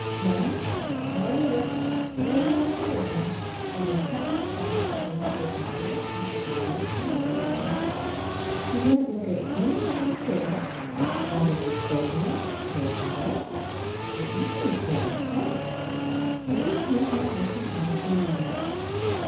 No, Charlie looked straight out of the window, and he kept his back turned to his Mother and his Daddy and his Auntie. He wouldn't look at anything on the table, not at his oatmeal or his milk or even his bread and honey; he just went on looking out of the window.